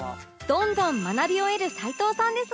どんどん学びを得る齊藤さんですが